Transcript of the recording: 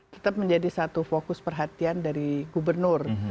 tetap menjadi satu fokus perhatian dari gubernur